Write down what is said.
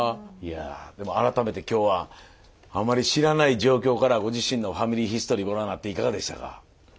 いやあでも改めて今日はあまり知らない状況からご自身の「ファミリーヒストリー」ご覧になっていかがでしたか？